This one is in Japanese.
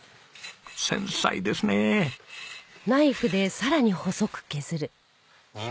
繊細ですねえ。